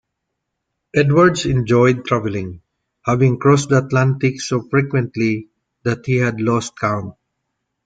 Edwards enjoyed traveling, having crossed the Atlantic so frequently that he had lost count.